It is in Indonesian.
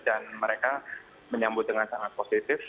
dan mereka menyambut dengan sangat positif